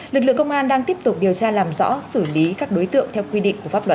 lực lượng công an đang tiếp tục điều tra làm rõ xử lý các đối tượng theo quy định của pháp luật